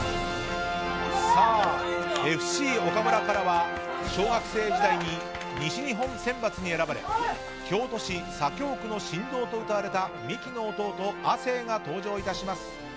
ＦＣ岡村からは小学生時代に西日本選抜に選ばれ京都・左京区の神童とうたわれたミキの弟・亜生が登場いたします。